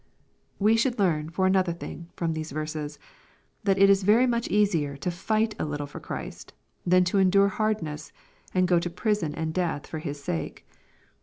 We should learn, for another thing, from these verses, that it IS much easier to fight a little for Christy than to endure hardness and go to prison and death for His sake.